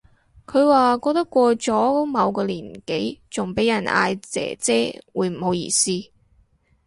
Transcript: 佢話覺得過咗某個年紀仲俾人嗌姐姐會唔好意思